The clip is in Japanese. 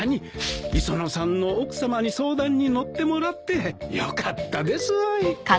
磯野さんの奥さまに相談に乗ってもらってよかったですわい。